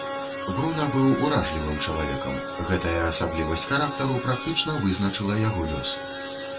Бруна быў уражлівым чалавекам, гэтая асаблівасць характару практычна вызначыла яго лёс.